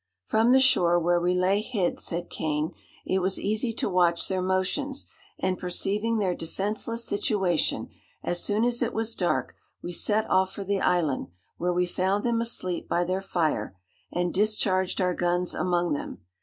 "From the shore where we lay hid," said Cane, "it was easy to watch their motions; and perceiving their defenceless situation, as soon as it was dark we set off for the island, where we found them asleep by their fire, and discharged our guns among them.